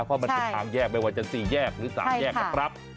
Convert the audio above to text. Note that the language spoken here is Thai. เพราะมันเป็นทางแยกไม่ว่าจะ๔แยกหรือ๓แยกนะครับ